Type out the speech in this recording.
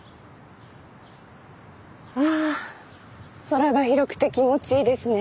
空が広くて気持ちいいですね。